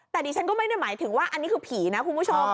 แต่ดิฉันก็ไม่ได้หมายถึงว่าอันนี้คือผีนะคุณผู้ชม